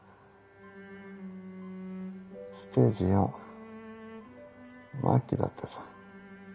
ステージ４末期だってさ。